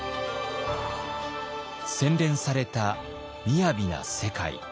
洗練されたみやびな世界。